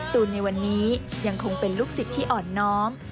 ตูนในวันนี้ยังคงเป็นลูกศิษย์ที่อ่อนน้อม